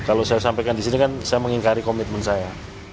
kalau saya sampaikan di sini kan saya mengingkari komitmen saya